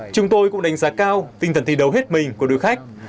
chúng tôi cũng đánh giá cao tinh thần thi đấu hết mình của đối khách